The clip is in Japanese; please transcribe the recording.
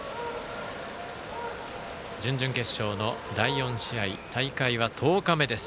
準々決勝の第４試合大会は１０日目です。